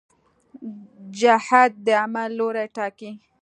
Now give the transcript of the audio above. جهت د عمل لوری ټاکي.